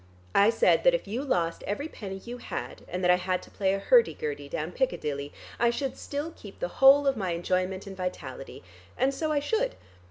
I said that if you lost every penny you had, and that I had to play a hurdy gurdy down Piccadilly, I should still keep the whole of my enjoyment and vitality, and so I should.